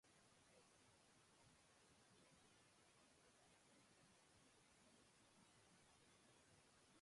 Iniciando así un intenso despliegue publicitario en los medios de comunicación.